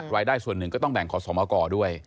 รายได้ส่วนหนึ่งก็ต้องแบ่งขอสมกรด้วย